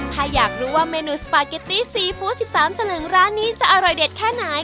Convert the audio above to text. ถ้าอยากรู้ว่าเมนูสปาเกตตี้ซีฟู้ด๑๓สลึงร้านนี้จะอร่อยเด็ดแค่ไหน